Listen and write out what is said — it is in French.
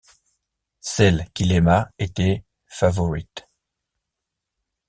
Celle qu’il aima était Favourite.